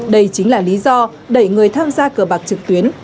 đây chính là lý do đẩy người tham gia cờ bạc trực tuyến